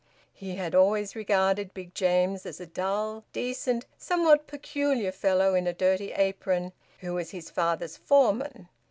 He had always regarded Big James as a dull, decent, somewhat peculiar fellow in a dirty apron, who was his father's foreman.